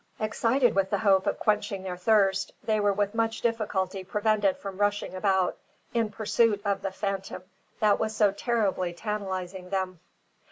Excited with the hope of quenching their thirst, they were with much difficulty prevented from rushing about in pursuit of the phantom that was so terribly tantalising them.